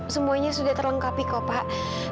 semuanya sudah terlengkapi kok pak